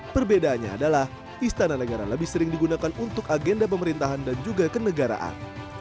perbedaannya adalah istana negara lebih sering digunakan untuk agenda pemerintahan dan juga kenegaraan